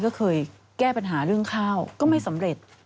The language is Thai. ก็เคยแก้ปัญหาเรื่องข้าวก็ไม่สำเร็จ